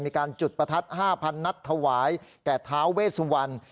มีการจุดประทัด๕๐๐นัดถวายแก่ท้าเวสวัน